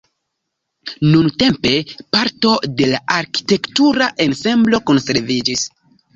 Nuntempe parto de la arkitektura ensemblo konserviĝis.